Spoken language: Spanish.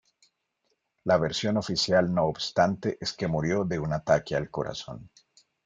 La versión oficial no obstante, es que murió de un ataque al corazón.